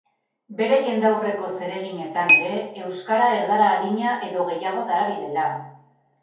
Bere jendaurreko zereginetan ere euskara erdara adina edo gehiago darabilela.